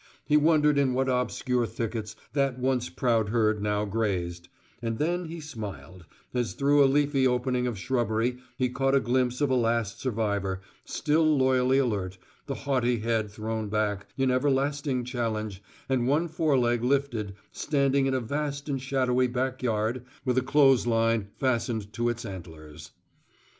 He wondered in what obscure thickets that once proud herd now grazed; and then he smiled, as through a leafy opening of shrubbery he caught a glimpse of a last survivor, still loyally alert, the haughty head thrown back in everlasting challenge and one foreleg lifted, standing in a vast and shadowy backyard with a clothesline fastened to its antlers.